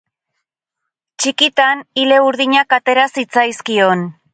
Txikitan ile urdinak atera zitzaizkion.